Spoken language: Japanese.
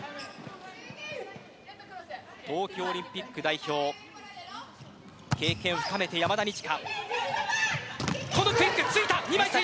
東京オリンピック代表経験を深めた山田二千華。